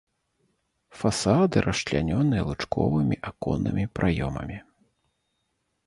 Фасады расчлянёны лучковымі аконнымі праёмамі.